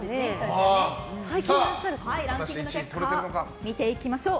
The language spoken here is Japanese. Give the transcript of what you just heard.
ランキングの結果見ていきましょう。